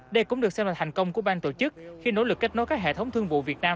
đây cũng được xem là thành công của bang tổ chức khi nỗ lực kết nối các hệ thống thương vụ việt nam